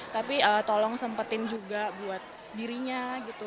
tapi tolong sempetin juga buat dirinya gitu